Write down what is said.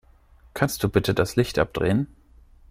Kannst du bitte das Licht abdrehen?